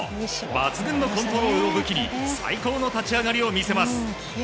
抜群のコントロールを武器に最高の立ち上がりを見せます。